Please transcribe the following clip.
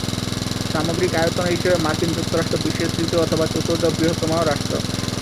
সামগ্রিক আয়তনের হিসেবে মার্কিন যুক্তরাষ্ট্র বিশ্বের তৃতীয় অথবা চতুর্থ বৃহত্তম রাষ্ট্র।